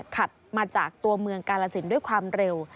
ขับมาจากตัวเมืองกาลสินด้วยความเร็ว